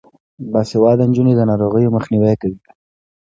باسواده نجونې د ناروغیو مخنیوی کوي.